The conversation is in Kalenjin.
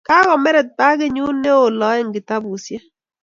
Kakomeret pakinyun ne o loe kitapusyek